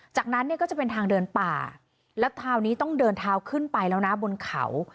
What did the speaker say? จากนั้นเนี่ยก็จะเป็นทางเดินป่าแล้วคราวนี้ต้องเดินเท้าขึ้นไปแล้วนะบนเขา